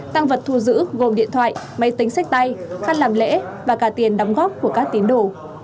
tăng vật thu giữ gồm điện thoại máy tính sách tay khăn làm lễ và cả tiền đóng góp của các tín đồ